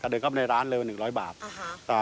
กระเด็นเข้าไปร้านเร็ว๑๐๐บาท